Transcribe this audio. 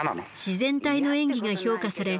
自然体の演技が評価され